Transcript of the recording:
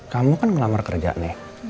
kamu kan ngelamar kerja nih